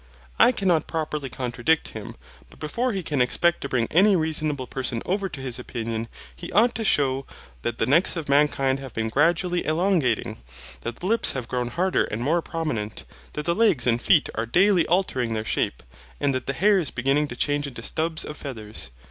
I cannot properly contradict him. But before he can expect to bring any reasonable person over to his opinion, he ought to shew that the necks of mankind have been gradually elongating, that the lips have grown harder and more prominent, that the legs and feet are daily altering their shape, and that the hair is beginning to change into stubs of feathers.